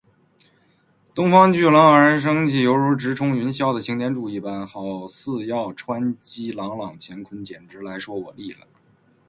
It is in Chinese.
东方巨龙昂然起立，犹如直冲云天的擎天柱一般，好似要击穿朗朗乾坤，简单来说，我立了